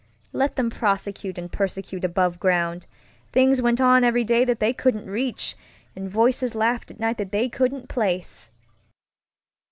Let them prosecute and persecute above groundŌĆöthings went on every day that they couldn't reach, and voices laughed at night that they couldn't place!